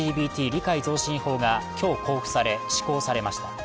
理解増進法が今日交付され、施行されました。